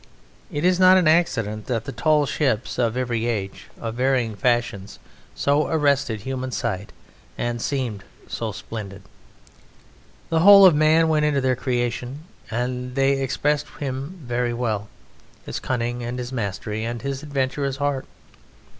It is not an accident that the tall ships of every age of varying fashions so arrested human sight and seemed so splendid. The whole of man went into their creation, and they expressed him very well; his cunning, and his mastery, and his adventurous heart.